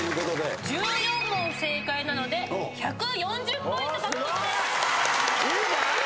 １４問正解なので１４０ポイント獲得です。